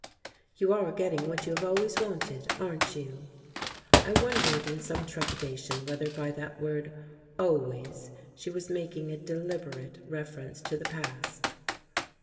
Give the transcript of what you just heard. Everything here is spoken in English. "You are getting what you have always wanted, aren't you?" I wondered in some trepidation whether by that word "always" she was making a deliberate reference to the past.